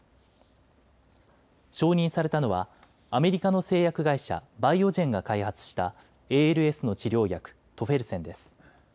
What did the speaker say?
承認されたのはアメリカの製薬会社、バイオジェンが開発したＡＬＳの治療薬、トフェルセンです。